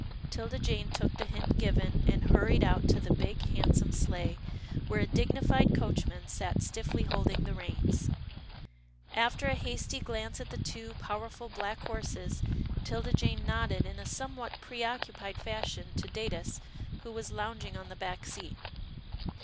'Tilda Jane took the hint given, and hurried out to the big handsome sleigh, where a dignified coach man sat stiffly holding the reins. After a hasty MILD FORGIVENESS 83 glance at the two, powerful black horses, 'Tilda Jane nodded in a somewhat preoccupied fashion to Datus who was lounging on the back seat.